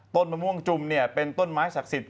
ต้นมะม่วงจุ่มเป็นต้นไม้ศักดิ์สิทธิ์